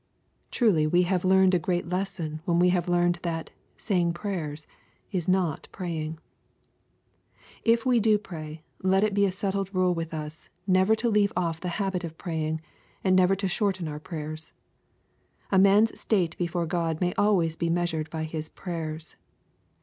Truly we have learned a great lesson when we have learned that "saying prayers" is not praying I If we do pray, let it be a settled rule with us, never to leave off the habit of praying, and never to shorten our prayers. A man's state before God may always be measured by his prayers.